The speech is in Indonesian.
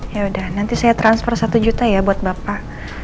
yaudah nanti saya transfer satu juta ya buat bapak